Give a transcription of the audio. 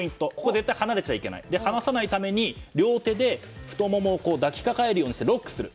絶対に離れちゃいけませんので離さないために両手で太ももを抱きかかえるようにしてロックする。